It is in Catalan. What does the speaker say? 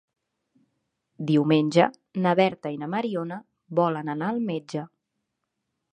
Diumenge na Berta i na Mariona volen anar al metge.